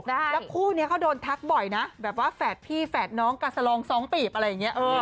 แล้วคู่นี้เขาโดนทักบ่อยนะแบบว่าแฝดพี่แฝดน้องกาสลอง๒ปีบอะไรอย่างนี้